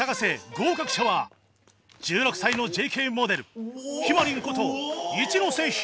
合格者は１６歳の ＪＫ モデルひまりんこと一ノ瀬陽鞠